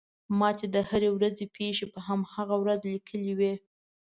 ما چې د هرې ورځې پېښې په هماغه ورځ لیکلې وې.